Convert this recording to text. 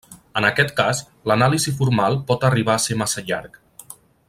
En aquest cas, l'anàlisi formal pot arribar a ser massa llarg.